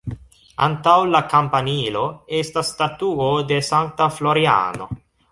Antaŭ la kampanilo estas statuo de Sankta Floriano.